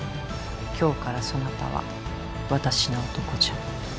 今日からそなたは私の男じゃ。